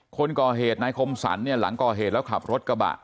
คนก่อเหตุนายคมสรรเนี่ยหลังก่อเหตุแล้วขับรถกระบะ